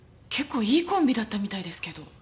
結構いいコンビだったみたいですけど。